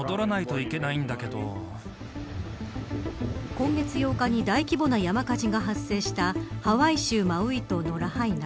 今月８日に大規模な山火事が発生したハワイ州マウイ島のラハイナ。